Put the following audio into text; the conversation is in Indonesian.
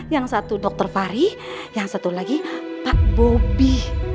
yang satu dokter fari yang satu lagi pak bobi